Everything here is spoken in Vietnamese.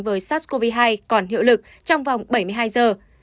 với sars cov hai còn hiệu lực trong vòng bảy mươi hai giờ